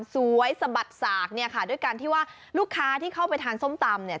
สะบัดสากเนี่ยค่ะด้วยการที่ว่าลูกค้าที่เข้าไปทานส้มตำเนี่ย